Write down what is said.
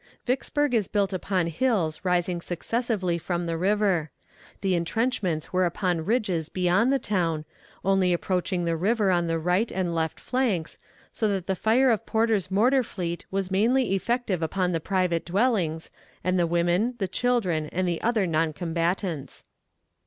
Vicksburg is built upon hills rising successively from the river. The intrenchments were upon ridges beyond the town, only approaching the river on the right and left flanks, so that the fire of Porter's mortar fleet was mainly effective upon the private dwellings, and the women, the children, and other noncombatants.